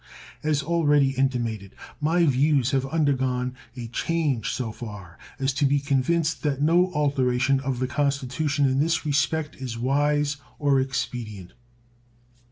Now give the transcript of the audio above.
As already intimated, my views have undergone a change so far as to be convinced that no alteration of the Constitution in this respect is wise or expedient.